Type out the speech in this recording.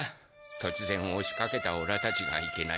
突然押しかけたオラたちがいけないんだ。